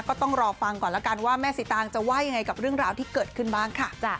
ก็ต้องรอฟังก่อนแล้วกันว่าแม่สีตางจะว่ายังไงกับเรื่องราวที่เกิดขึ้นบ้างค่ะ